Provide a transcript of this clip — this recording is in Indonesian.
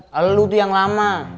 dari dulu yang lama